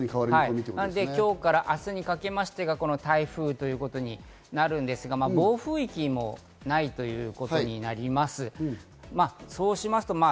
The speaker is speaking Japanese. で、今日から明日にかけまして台風ということになるんですが、暴風域もないということになります。